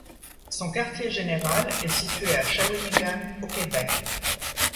Son quartier général est situé à Shawinigan au Québec.